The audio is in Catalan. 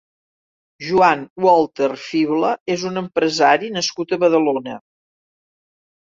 Joan Walter Fibla és un empresari nascut a Badalona.